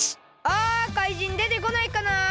あかいじんでてこないかなあ。